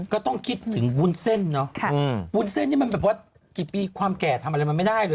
ก็ต้องคิดถึงวุ้นเส้นเนาะวุ้นเส้นนี่มันแบบว่ากี่ปีความแก่ทำอะไรมันไม่ได้เลย